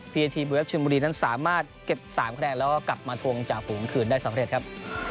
พีเอทีมเว็บชมบุรีนั้นสามารถเก็บ๓คะแนนแล้วก็กลับมาทวงจาฝูงคืนได้สหรัฐครับ